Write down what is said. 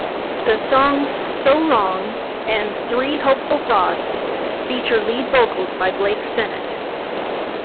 The songs "So Long" and "Three Hopeful Thoughts" feature lead vocals by Blake Sennett.